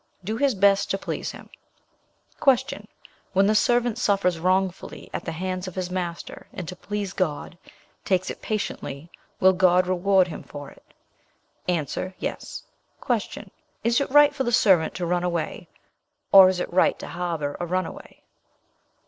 'Do his best to please him.' "Q. When the servant suffers wrongfully at the hands of his master, and, to please God, takes it patiently, will God reward him for it? A. 'Yes.' "Q. Is it right for the servant to run away, or is it right to harbour a runaway?